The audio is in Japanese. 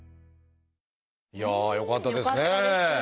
いやあよかったですね。